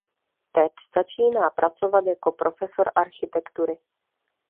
Ted začíná pracovat jako profesor architektury.